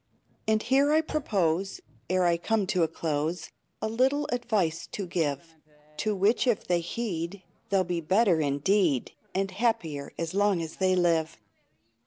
And here I propose, Ere I come to a close, A little advice to give; To which if they heed, They'll be better indeed, And happier as long as they live.